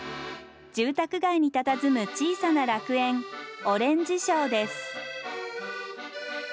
住宅街にたたずむ小さな楽園オレンジショーです。